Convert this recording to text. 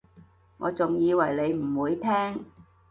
我仲以為你唔會聽